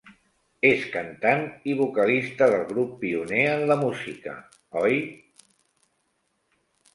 És cantant i vocalista del grup pioner en la música Oi!